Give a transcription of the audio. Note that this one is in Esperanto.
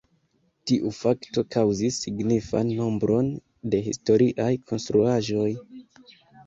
Tiu fakto kaŭzis signifan nombron de historiaj konstruaĵoj.